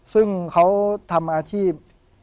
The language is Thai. ซึ่งเขาทำอาชีพ